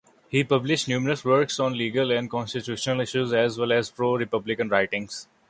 He published numerous works on legal and constitutional issues as well as pro-republican writings.